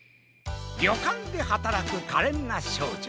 りょかんではたらくかれんなしょうじょ